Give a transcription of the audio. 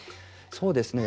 そうですね。